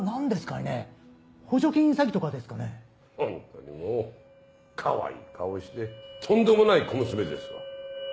かわいい顔してとんでもない小娘ですわ。